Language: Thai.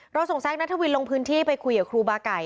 ส่งแซคนัทวินลงพื้นที่ไปคุยกับครูบาไก่